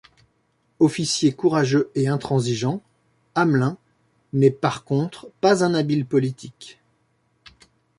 Officier courageux et intransigeant, Hamelin n'est par contre pas un habile politique.